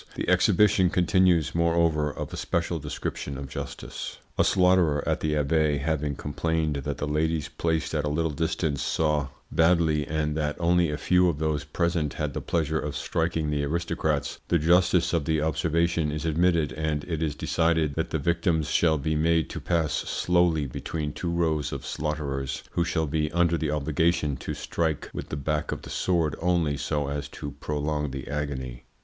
The exhibition continues, moreover, of a special description of justice. A slaughterer at the Abbaye having complained that the ladies placed at a little distance saw badly, and that only a few of those present had the pleasure of striking the aristocrats, the justice of the observation is admitted, and it is decided that the victims shall be made to pass slowly between two rows of slaughterers, who shall be under the obligation to strike with the back of the sword only so as to prolong the agony.